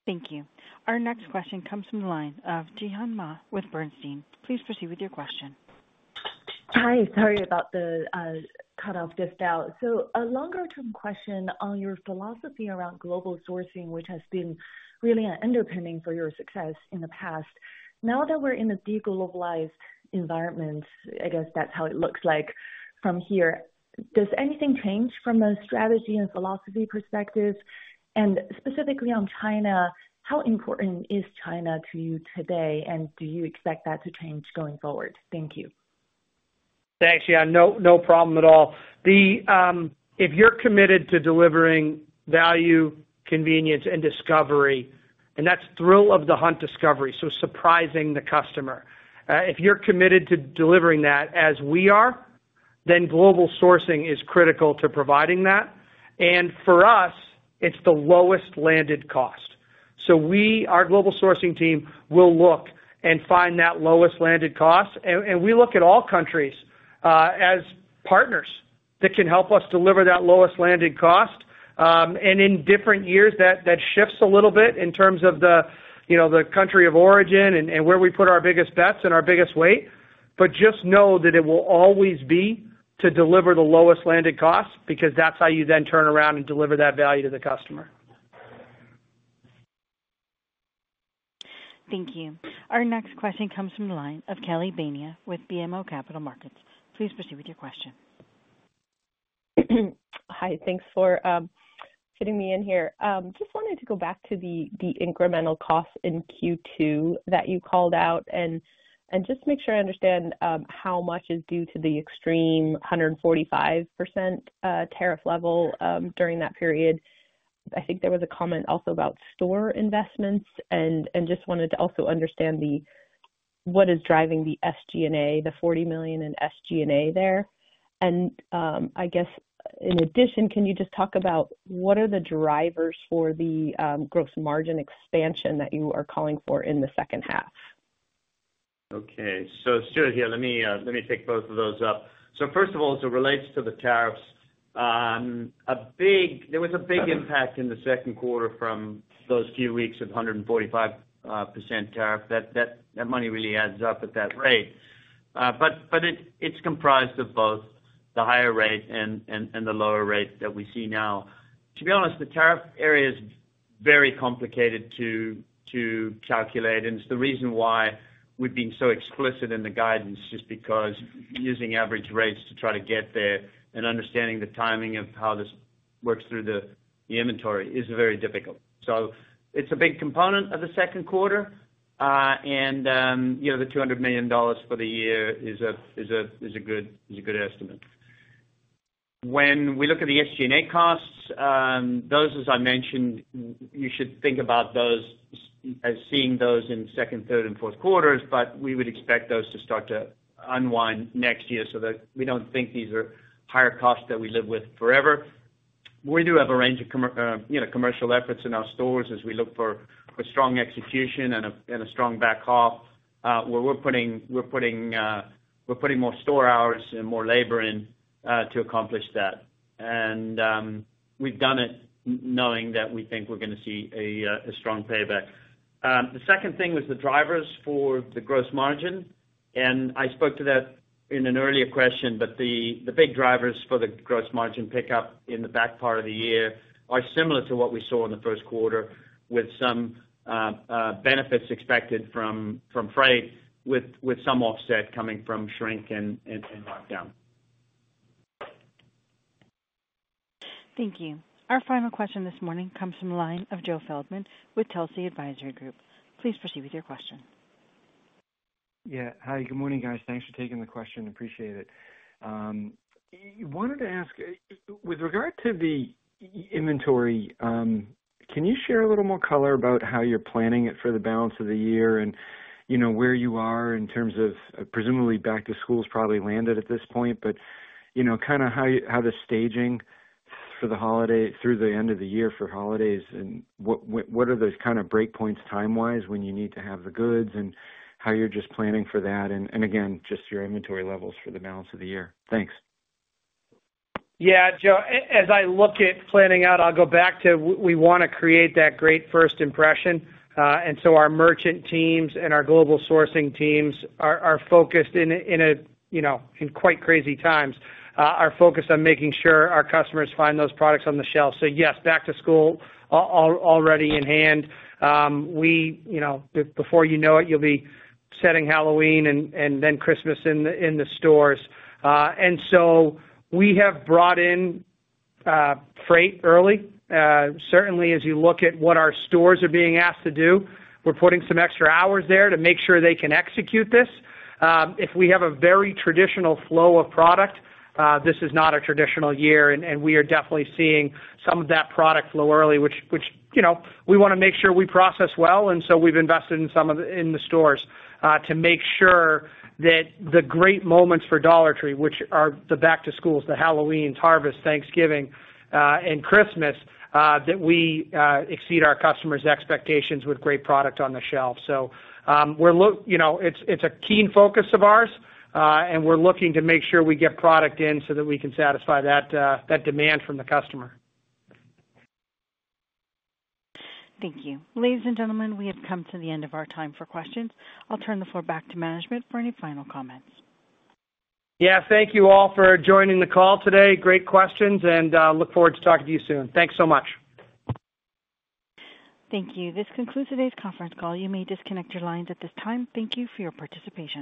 Thank you. Our next question comes from the line of Zhihan Ma with Bernstein. Please proceed with your question. Hi, sorry about the cut-off just now. A longer-term question on your philosophy around global sourcing, which has been really an underpinning for your success in the past. Now that we are in a deglobalized environment, I guess that is how it looks like from here. Does anything change from a strategy and philosophy perspective? Specifically on China, how important is China to you today, and do you expect that to change going forward? Thank you. Thanks, yeah, no problem at all. If you are committed to delivering value, convenience, and discovery, and that is thrill of the hunt discovery, so surprising the customer. If you're committed to delivering that as we are, global sourcing is critical to providing that. For us, it's the lowest landed cost. Our global sourcing team will look and find that lowest landed cost. We look at all countries as partners that can help us deliver that lowest landed cost. In different years, that shifts a little bit in terms of the country of origin and where we put our biggest bets and our biggest weight. Just know that it will always be to deliver the lowest landed cost because that's how you then turn around and deliver that value to the customer. Thank you. Our next question comes from the line of Kelly Bainia with BMO Capital Markets. Please proceed with your question. Hi, thanks for fitting me in here. Just wanted to go back to the incremental costs in Q2 that you called out and just make sure I understand how much is due to the extreme 145% tariff level during that period. I think there was a comment also about store investments and just wanted to also understand what is driving the SG&A, the $40 million in SG&A there. I guess, in addition, can you just talk about what are the drivers for the gross margin expansion that you are calling for in the second half? Okay, still here, let me take both of those up. First of all, as it relates to the tariffs, there was a big impact in the second quarter from those few weeks of 145% tariff. That money really adds up at that rate. It is comprised of both the higher rate and the lower rate that we see now. To be honest, the tariff area is very complicated to calculate, and it's the reason why we've been so explicit in the guidance just because using average rates to try to get there and understanding the timing of how this works through the inventory is very difficult. It is a big component of the second quarter, and the $200 million for the year is a good estimate. When we look at the SG&A costs, those, as I mentioned, you should think about those as seeing those in second, third, and fourth quarters, but we would expect those to start to unwind next year so that we don't think these are higher costs that we live with forever. We do have a range of commercial efforts in our stores as we look for strong execution and a strong back off where we're putting more store hours and more labor in to accomplish that. We've done it knowing that we think we're going to see a strong payback. The second thing was the drivers for the gross margin, and I spoke to that in an earlier question, but the big drivers for the gross margin pickup in the back part of the year are similar to what we saw in the first quarter with some benefits expected from freight with some offset coming from shrink and markdown. Thank you. Our final question this morning comes from the line of Joe Feldman with Telsey Advisory Group. Please proceed with your question. Yeah, hi, good morning, guys. Thanks for taking the question. Appreciate it. I wanted to ask, with regard to the inventory, can you share a little more color about how you're planning it for the balance of the year and where you are in terms of presumably back to school's probably landed at this point, but kind of how the staging for the holiday through the end of the year for holidays and what are those kind of breakpoints time-wise when you need to have the goods and how you're just planning for that? Again, just your inventory levels for the balance of the year. Thanks. Yeah, Joe, as I look at planning out, I'll go back to we want to create that great first impression. Our merchant teams and our global sourcing teams are focused in quite crazy times. Our focus on making sure our customers find those products on the shelf. Yes, back to school already in hand. Before you know it, you'll be setting Halloween and then Christmas in the stores. We have brought in freight early. Certainly, as you look at what our stores are being asked to do, we're putting some extra hours there to make sure they can execute this. If we have a very traditional flow of product, this is not a traditional year, and we are definitely seeing some of that product flow early, which we want to make sure we process well. We have invested in some of the stores to make sure that the great moments for Dollar Tree, which are the back to schools, the Halloweens, harvest, Thanksgiving, and Christmas, that we exceed our customers' expectations with great product on the shelf. So it's a keen focus of ours, and we're looking to make sure we get product in so that we can satisfy that demand from the customer. Thank you. Ladies and gentlemen, we have come to the end of our time for questions. I'll turn the floor back to management for any final comments. Yeah, thank you all for joining the call today. Great questions, and look forward to talking to you soon. Thanks so much. Thank you. This concludes today's conference call. You may disconnect your lines at this time. Thank you for your participation.